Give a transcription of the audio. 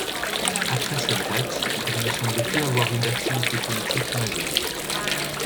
Après cette date, elle ne semble plus avoir eu d'activité politique majeure.